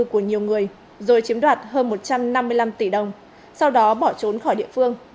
của nhiều người rồi chiếm đoạt hơn một trăm năm mươi năm tỷ đồng sau đó bỏ trốn khỏi địa phương